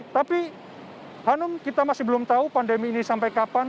tapi hanum kita masih belum tahu pandemi ini sampai kapan